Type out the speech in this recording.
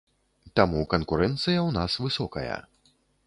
Таму канкурэнцыя ў нас высокая.